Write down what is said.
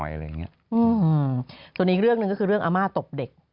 ออหือส่วนอีกเรื่องนึงก็คือเรื่องอามารร์ตบเด็ก